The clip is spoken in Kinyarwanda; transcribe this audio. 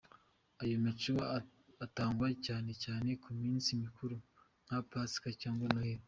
Ayo mature atangwa cyane cyane ku minsi mikuru nka Pasika cyangwa Noheli.